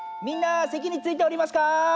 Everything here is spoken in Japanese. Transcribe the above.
みんなせきについておりますか？